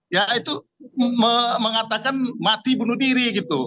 ya itu mengatakan mati bunuh diri gitu